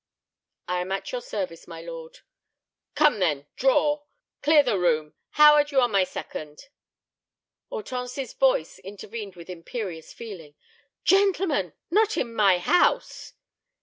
"I am at your service, my lord." "Come then, draw! Clear the room. Howard, you are my second." Hortense's voice intervened with imperious feeling. "Gentlemen, not in my house."